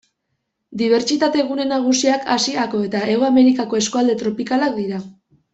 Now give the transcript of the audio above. Dibertsitate-gune nagusiak Asiako eta Hego Amerikako eskualde tropikalak dira.